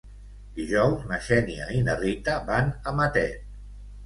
Dijous na Xènia i na Rita van a Matet.